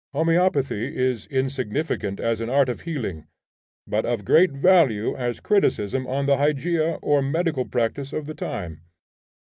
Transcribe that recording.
Homoeopathy is insignificant as an art of healing, but of great value as criticism on the hygeia or medical practice of the time.